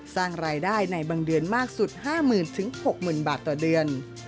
สร้างรายได้ในบางเดือนมากสุด๕๐๐๐๖๐๐๐บาทต่อเดือน